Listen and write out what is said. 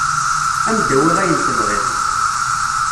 Ad m-d-awiɣ ayen tebɣiḍ.